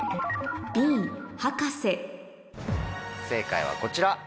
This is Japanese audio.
正解はこちら。